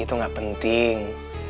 itu gak penting